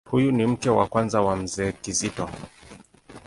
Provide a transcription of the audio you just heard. Huyu ni mke wa kwanza wa Mzee Kizito.